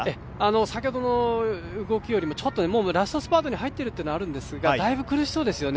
先ほどの動きよりも、もうラストスパートに入っているというのもあるんですがだいぶ苦しそうですよね。